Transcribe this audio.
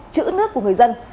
chữ nước của người dân